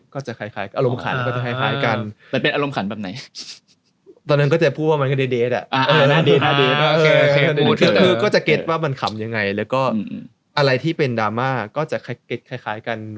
ก็จะคล้ายอารมณ์ขันแล้วก็จะคล้ายกัน